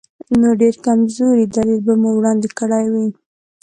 نو ډېر کمزوری دلیل به مو وړاندې کړی وي.